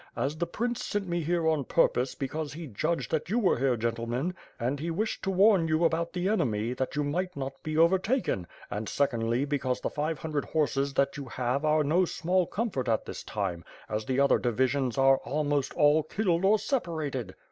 And the prince sent me here on purpose, be cause he judged that you were here, gentlemen, and he wished to warn you al)0ut the enemy, that you might not be overtaken; and, secondly, because the five hundred horses that you have are no small comfort at this time, as the other divi sion are almost all killed or separated."